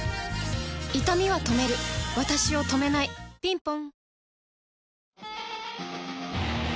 いたみは止めるわたしを止めないぴんぽん